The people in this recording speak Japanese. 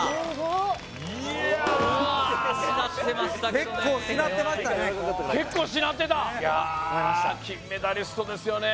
いや金メダリストですよね